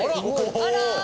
あら！